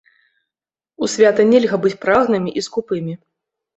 У свята нельга быць прагнымі і скупымі.